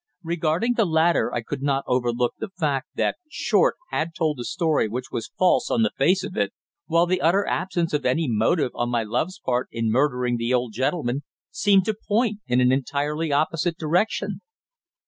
Regarding the latter I could not overlook the fact that Short had told a story which was false on the face of it, while the utter absence of any motive on my love's part in murdering the old gentleman seemed to point in an entirely opposite direction.